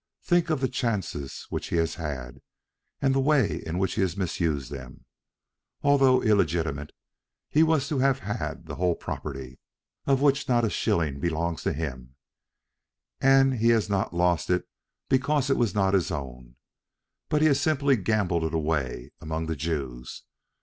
Think of the chances which he has had, and the way in which he has misused them. Although illegitimate, he was to have had the whole property, of which not a shilling belongs to him; and he has not lost it because it was not his own, but has simply gambled it away among the Jews.